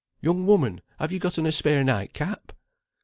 _] "'Young woman! have you gotten a spare night cap?'